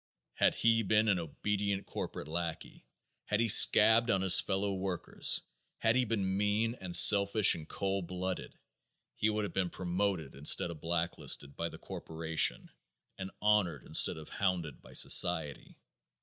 Had he been an obedient corporation lackey; had he scabbed on his fellow workers; had he been mean and selfish and cold blooded, he would have been promoted instead of blacklisted by the corporation and honored instead of hounded by society.